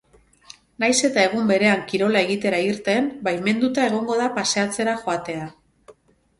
Nahiz eta egun berean kirola egitera irten, baimenduta egongo da paseatzera joatea.